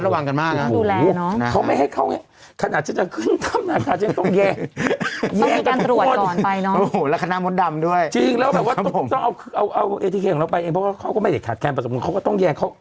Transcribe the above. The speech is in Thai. ระมัดระวังกันมากนะต้องดูแลเนอะเขาไม่ให้เขาไงขนาดจะจะขึ้นทำหน้าค่ะยังต้องแยก